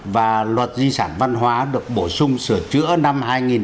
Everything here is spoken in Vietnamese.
và luật di sản văn hóa được bổ sung sửa chữa năm hai nghìn chín